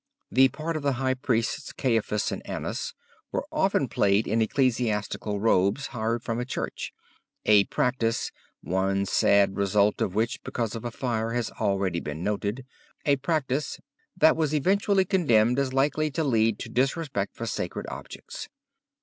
The part of the High Priests Caiaphas and Annas were often played in ecclesiastical robes hired from a church, a practice (one sad result of which because of fire has already been noted) that was eventually condemned as likely to lead to disrespect for sacred objects.